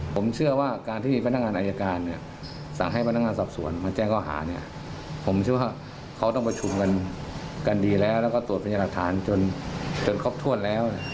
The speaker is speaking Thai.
ผมเชื่อว่าเขาต้องประชุมกันดีแล้วก็ตรวจพันธุ์หลักฐานจนครบถ้วนแล้ว